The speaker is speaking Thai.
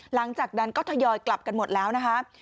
หลังจากนั้นก็ทยอยกลับกันหมดแล้วนะคะ